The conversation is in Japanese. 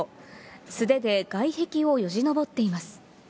素手で外壁をよじ登っています。